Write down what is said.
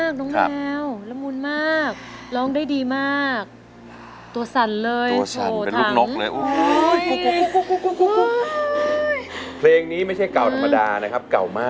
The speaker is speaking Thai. คงได้พบรักใหม่ใหม่